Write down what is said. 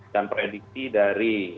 dan prediksi dari